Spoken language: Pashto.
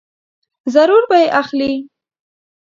ضرور به یې اخلې !